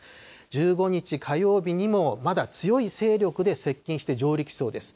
１５日火曜日にもまだ強い勢力で接近して上陸しそうです。